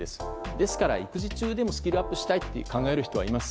ですから、育児中でもスキルアップしたいと考える人はいます。